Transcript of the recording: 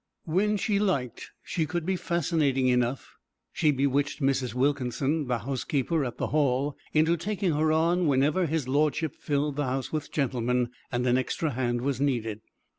When she liked she could be fascinating enough. She bewitched Mrs. Wilkinson, the housekeeper at the Hall, into taking her on whenever his Lordship filled the house with gentlemen and an extra hand was needed.